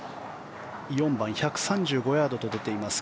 ４番１３５ヤードと出ています。